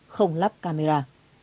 không lắp camera